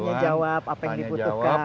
tanya jawab apa yang dibutuhkan